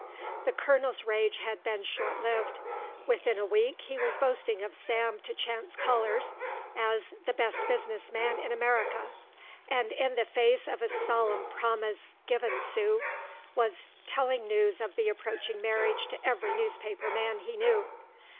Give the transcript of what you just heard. The colonel's rage had been short lived. Within a week he was boasting of Sam to chance callers as "the best business man in America," and in the face of a solemn promise given Sue was telling news of the approaching marriage to every newspaper man he knew.